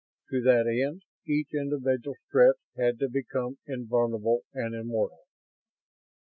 To that end each individual Strett had to become invulnerable and immortal.